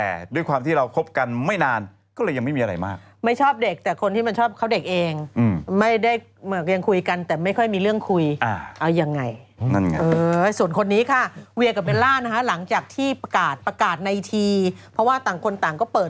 พร้อมสมัครกับเอยก็จะนานเจอกันทีเราเลิกกันแต่ว่าคุยกันได้